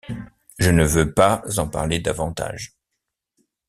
Je ne veux pas en parler davantage.